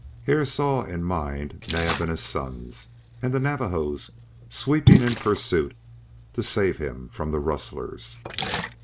Hare saw in mind Naab and his sons, and the Navajos sweeping in pursuit to save him from the rustlers.